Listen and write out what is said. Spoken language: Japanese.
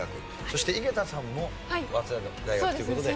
そして井桁さんも早稲田大学という事で。